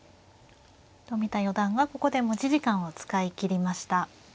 冨田四段はここで持ち時間を使いきりました。